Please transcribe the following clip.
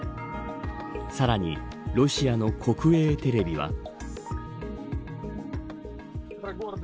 さらに、ロシアの国営テレビは。